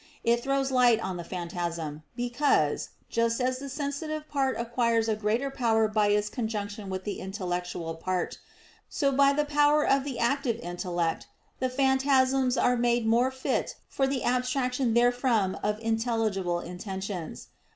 It throws light on the phantasm, because, just as the sensitive part acquires a greater power by its conjunction with the intellectual part, so by the power of the active intellect the phantasms are made more fit for the abstraction therefrom of intelligible intentions.